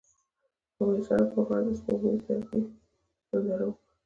هغوی د سړک پر غاړه د سپوږمیز لرګی ننداره وکړه.